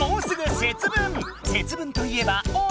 節分といえば鬼！